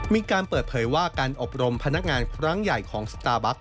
มีการเปิดเผยว่าการอบรมพนักงานครั้งใหญ่ของสตาร์บัค